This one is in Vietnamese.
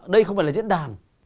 đây không phải là diễn đàn